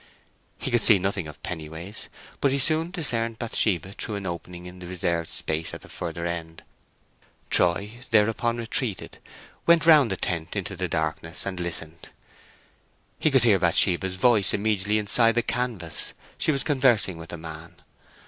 He could see nothing of Pennyways, but he soon discerned Bathsheba through an opening into the reserved space at the further end. Troy thereupon retreated, went round the tent into the darkness, and listened. He could hear Bathsheba's voice immediately inside the canvas; she was conversing with a man.